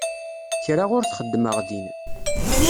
Kra ur t-xeddmeɣ din.